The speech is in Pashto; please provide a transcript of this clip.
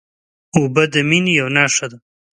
اوبه د مینې یوه نښه ده.